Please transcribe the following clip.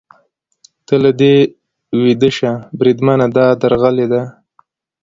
ته له دې ویده شه، بریدمنه، دا درغلي ده.